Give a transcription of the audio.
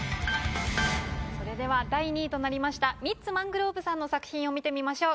それでは第２位となりましたミッツ・マングローブさんの作品を見てみましょう。